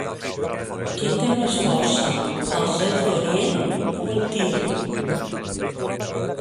Qui té més força, els reis d'orient o el tió?